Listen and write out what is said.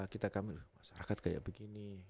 kita kami lah masyarakat kayak begini